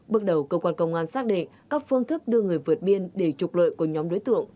bước đầu cơ quan công an xác định các phương thức đưa người vượt biên để trục lợi của nhóm đối tượng